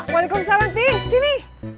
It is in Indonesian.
waalaikumsalam ti sini